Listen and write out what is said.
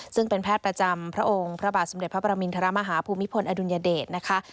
ซึ่งเป็นแพทย์ประจำพระองค์พระบาทสมเด็จพระปรมินทรมาฮาภูมิพลอดุลยเดชนะคะ